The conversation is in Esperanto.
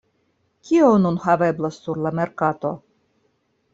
Kio nun haveblas sur la merkato?